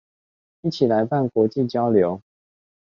一起來辦國際交流？